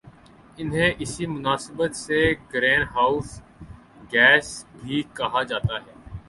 انہیں اسی مناسبت سے گرین ہاؤس گیسیں بھی کہا جاتا ہے